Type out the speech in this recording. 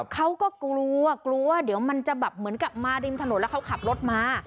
เขาก็กลัวกลัวว่าเดี๋ยวมันจะแบบเหมือนกลับมาริมถนนแล้วเขาขับรถมา